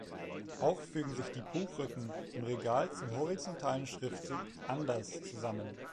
Auch fügen sich die Buchrücken im Regal zum horizontalen Schriftzug "anders" zusammen.